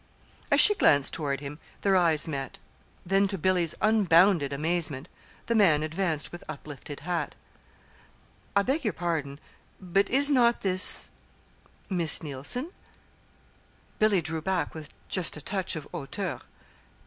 As she glanced toward him, their eyes met. Then, to Billy's unbounded amazement, the man advanced with uplifted hat. "I beg your pardon, but is not this Miss Neilson?" Billy drew back with just a touch of hauteur.